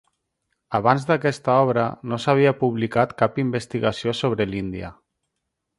Abans d'aquesta obra no s'havia publicat cap investigació sobre l'Índia.